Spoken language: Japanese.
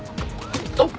あっ！